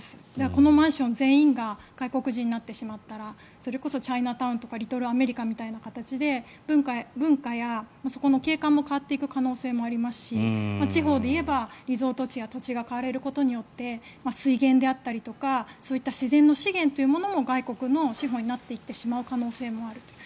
このマンション全員が外国人になってしまったらそれこそチャイナタウンとかリトルアメリカみたいな感じで文化やそこの景観も変わっていく可能性もありますし地方で言えばリゾート地や土地が買われることによって水源であったりとかそういった自然の資源も外国の資本になっていってしまう可能性もあるという。